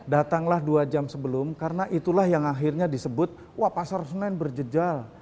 datanglah dua jam sebelum karena itulah yang akhirnya disebut wah pasar senen berjejal